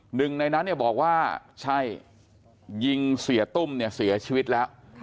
หนึ่งในนั้นเนี่ยบอกว่าใช่ยิงเสียตุ้มเนี่ยเสียชีวิตแล้ว